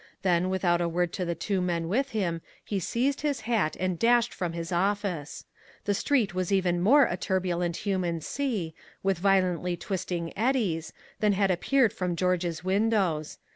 Then, without a word to the two men with him, he seized his hat and dashed from his office. The street was even more a turbulent human sea, with violently twisting eddies, than had appeared from George's windows.